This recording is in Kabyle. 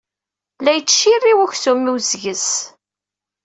La yettcirriw uksum-iw seg-s.